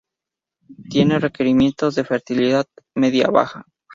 Tiene requerimientos de fertilidad media a baja.